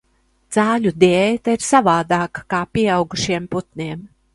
Cāļu diēta ir savādāka kā pieaugušiem putniem.